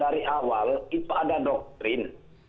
dari awal itu ada doktrin